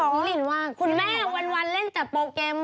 อ๋อมีใครเล่นว่างคุณแม่วันเล่นแต่โปรแกมอน